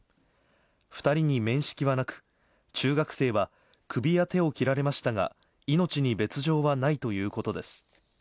２人に面識はなく、中学生は首や手を切られましたが、命に別条はないということです。